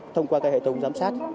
thông qua hệ thống giám sát